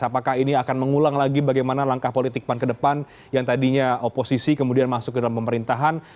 apakah ini akan mengulang lagi bagaimana langkah politik pan ke depan yang tadinya oposisi kemudian masuk ke dalam pemerintahan